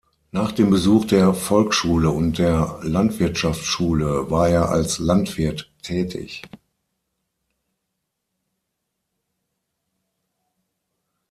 Nach dem Besuch der Volksschule und der Landwirtschaftsschule war er als Landwirt tätig.